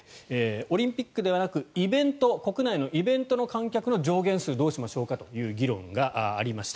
オリンピックではなく国内のイベントの観客の上限数どうしましょうかという議論がありました。